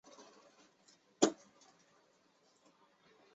蒙博洛人口变化图示